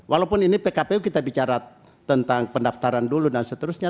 walaupun ini pkpu kita bicara tentang pendaftaran dulu dan seterusnya